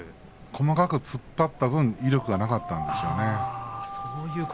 細かく突っ張った分威力がなかったんでしょうね。